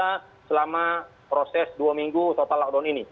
karena selama proses dua minggu total lockdown ini